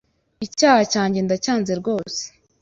Icyaha cyanjye ndacyanze rwose